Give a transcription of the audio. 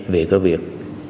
về cái việc